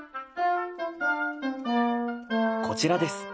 こちらです。